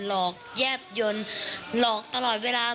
หลอกแยบยนต์หลอกตลอดเวลา